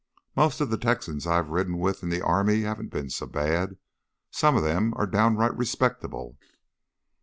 Most of the Texans I've ridden with in the army haven't been so bad; some of them are downright respectable."